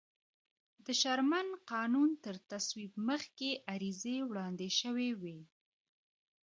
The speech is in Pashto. د شرمن قانون تر تصویب مخکې عریضې وړاندې شوې وې.